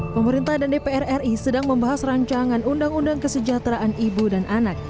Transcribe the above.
pemerintah dan dpr ri sedang membahas rancangan undang undang kesejahteraan ibu dan anak